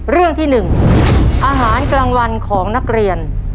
เรื่องที่๑อาหารกลางวันของนักเรียน